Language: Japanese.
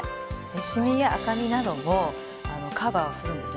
シミや赤みなどもカバーをするんですね。